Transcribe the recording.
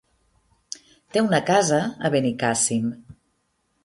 Té una casa a Benicàssim.